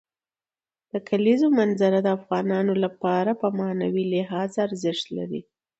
د کلیزو منظره د افغانانو لپاره په معنوي لحاظ ارزښت لري.